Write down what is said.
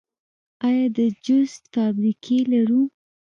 آیا د جوس فابریکې لرو؟